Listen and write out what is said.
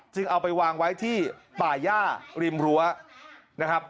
เอาไปวางไว้ที่ป่าย่าริมรั้วนะครับ